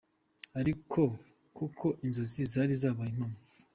Ariko koko inzozi zari zabaye impamo".